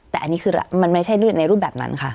แต่นี่อันนี้เป็นแรงหน้าแบบนั้นค่ะ